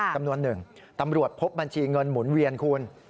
ตำรวจพบบัญชีเงินหมุนเวียนคูณ